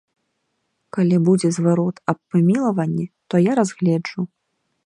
Калі будзе зварот аб памілаванні, то я разгледжу.